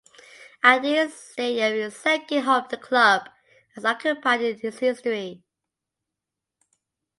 Ardeer Stadium is the second home the club has occupied in its history.